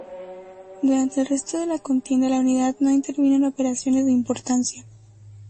Durante el resto de la contienda la unidad no intervino en operaciones de importancia.